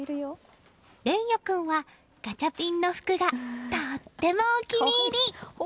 蓮也君は、ガチャピンの服がとってもお気に入り！